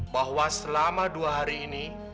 bahwa selama dua hari ini